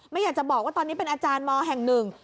ไม่อยากจะบอกว่าตอนนี้เป็นอาจารย์มแห่งหนึ่ง